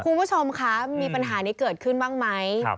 คุณผู้ชมคะมีปัญหานี้เกิดขึ้นบ้างไหม